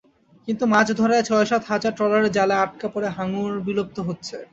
কিন্তু মাছ ধরার ছয়-সাত হাজার ট্রলারের জালে আটকা পড়ে হাঙর বিলুপ্ত হচ্ছে।